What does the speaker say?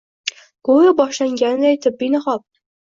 Go’yo boshlanganday tibbiy inqilob: